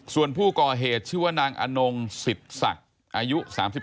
ส่วนผู้ก่อเหตุชื่อว่านางอนงสิทธิ์ศักดิ์อายุ๓๒